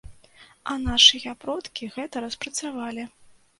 А нашыя продкі гэта распрацавалі.